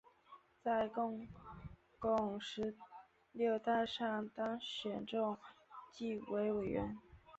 在中共十六大上当选中纪委委员。